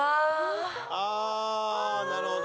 あなるほど。